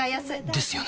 ですよね